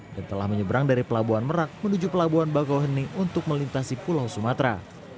dan telah menyeberang dari pelabuhan merak menuju pelabuhan bakau heni untuk melintasi pulau sumatera